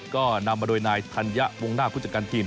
ก็นำมาโดยนายธัญญะวงหน้าผู้จัดการทีม